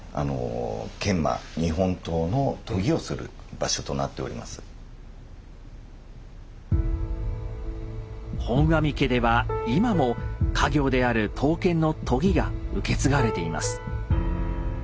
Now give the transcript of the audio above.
研磨本阿彌家では今も家業である刀剣の研ぎが受け継がれています。